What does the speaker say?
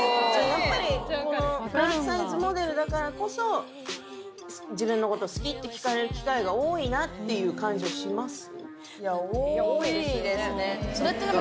じゃやっぱりプラスサイズモデルだからこそ「自分のこと好き？」って聞かれる機会が多いなっていう感じはします？